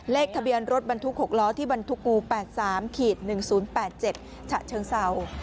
เลขทะเบียนรถบรรทุก๖ล้อที่บรรทุกกู๘๓๑๐๘๗ฉะเชิงเศร้า